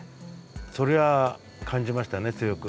それは感じましたね強く。